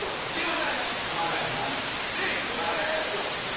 で熊谷市はですね